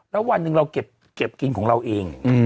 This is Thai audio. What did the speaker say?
แล้ววันหนึ่งเราเก็บกินของเราเอง